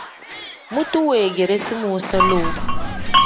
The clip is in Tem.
Mutu weegeresi muusa lowu.